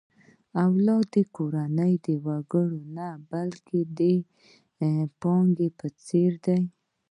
اولادونه د کورنۍ د وګړو نه، بلکې د پانګې په څېر دي.